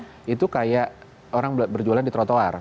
nah itu kayak orang berjualan di trotoar